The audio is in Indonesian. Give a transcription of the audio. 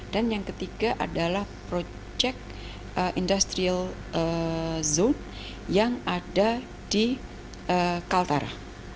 dan yang ketiga adalah proyek industrial zone yang ada di kaltara